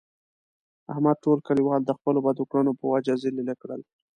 احمد ټول کلیوال د خپلو بدو کړنو په وجه ذلیله کړل.